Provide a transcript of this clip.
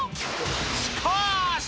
しかし。